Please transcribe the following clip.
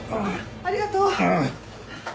ありがとうね。